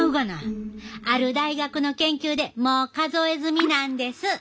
ある大学の研究でもう数え済みなんです。